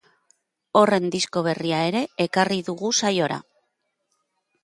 Horren disko berria ere ekarri dugu saiora.